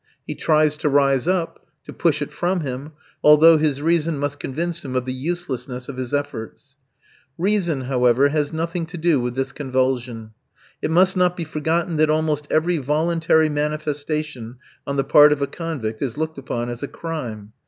He tries to rise up, to push it from him, although his reason must convince him of the uselessness of his efforts. Reason, however, has nothing to do with this convulsion. It must not be forgotten that almost every voluntary manifestation on the part of a convict is looked upon as a crime.